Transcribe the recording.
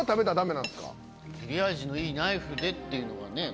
「切れ味のいいナイフで」っていうのがね今回。